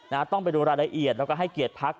ต้องไปดูรายละเอียดแล้วก็ให้เกียรติพัก